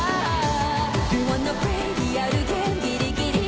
リアルゲームギリギリ」